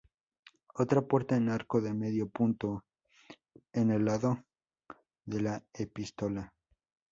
Otra puerta en arco de medio punto en el lado de la Epístola.